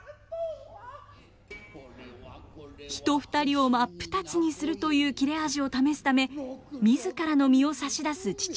人２人を真っ二つにするという切れ味を試すため自らの身を差し出す父親。